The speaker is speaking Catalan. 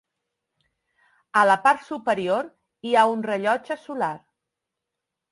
A la part superior hi ha un rellotge solar.